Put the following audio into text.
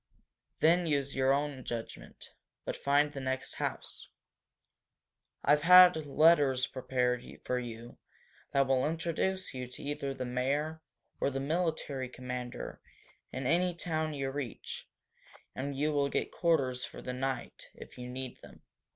Then use your own judgment, but find the next house. I have had letters prepared for you that will introduce you to either the mayor or the military commander in any town you reach and you will get quarters for the night, if you need them.